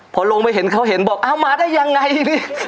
พอลงไปเขาเห็นบอกอ้าวหมอได้อย่างไรนี่